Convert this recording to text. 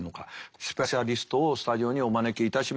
スペシャリストをスタジオにお招きいたしました。